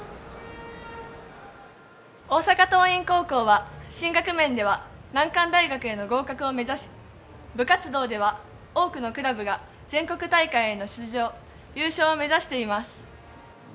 大阪桐蔭高校は進学面では難関大学への合格を目指し部活動では多くのクラブが全国大会への出場、優勝を目指しています。